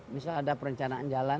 misalnya ada perencanaan jalan